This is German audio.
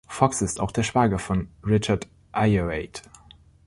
Fox ist auch der Schwager von Richard Ayoade.